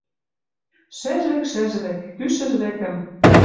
Шӹжвӹк, шӹжвӹк! Кӱ шӹжвӹкӹм